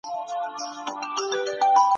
آیا ستا په ذهن کي کومه پوښتنه شته؟